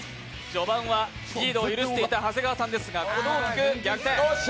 序盤はリードを許していた長谷川さんですが、ここで大きく逆転。